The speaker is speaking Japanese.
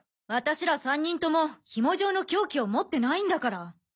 私ら３人ともヒモ状の凶器を持ってないんだから。